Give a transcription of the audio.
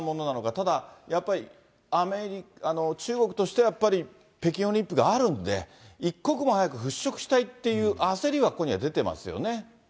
ただ、やっぱり中国としてはやっぱり、北京オリンピックがあるんで、一刻も早く払拭したいっていう焦りはここには出ていますよね。